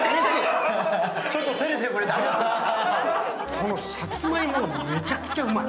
このさつまいも、めちゃくちゃうまい！